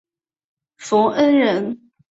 冯恩人。